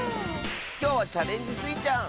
きょうは「チャレンジスイちゃん」！